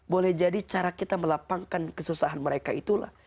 boleh jadi cara kita melapangkan kesusahan mereka itulah